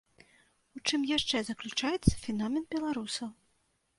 У чым яшчэ заключаецца феномен беларусаў?